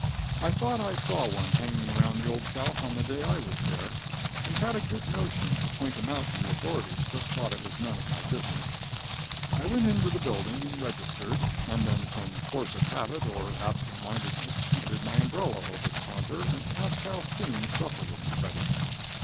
I thought I saw one hanging around the Old South on the day I was there, and had a good notion to point him out to the authorities, but thought it was none of my business. I went into the building and registered, and then from force of habit or absent mindedness handed my umbrella over the counter and asked how soon supper would be ready.